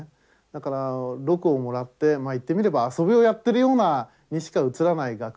だから禄をもらってまあ言ってみれば遊びをやってるようにしか映らない学問でありますから。